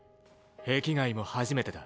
壁外も初めてだ。